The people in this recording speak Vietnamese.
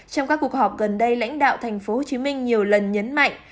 trong các cuộc họp gần đây lãnh đạo tp hcm nhiều lần nhấn mạnh